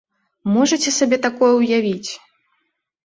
Можаце сабе такое ўявіць!